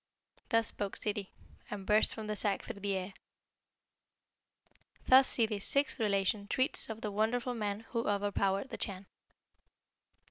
Thus spake Ssidi, and burst from the sack through the air. Thus Ssidi's sixth relation treats of the Wonderful Man who overpowered the Chan.